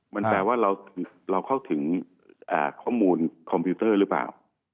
มันแปลว่าเราเข้าถึงข้อมูลคอมพิวเตอร์หรือเปล่า